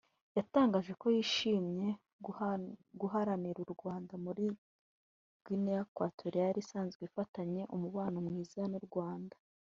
yatangaje ko yishimiye guhagararira u Rwanda muri Guinée Equatorial isanzwe ifitanye umubano mwiza n’u Rwanda